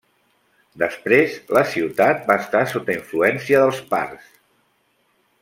Després, la ciutat va estar sota influència dels parts.